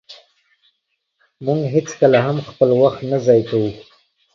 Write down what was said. مونږ هيڅکله هم خپل وخت نه ضایع کوو.